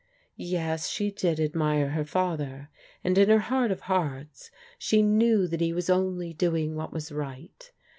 Yes, she did admire her father, and in her heart of hearts she knew that he was only doing what was right.